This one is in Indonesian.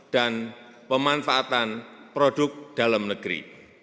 dan pemanfaatan produk dalam negeri